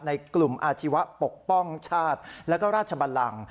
ในกลุ่มอาชีวะปกป้องชาติและก็ราชบันลัง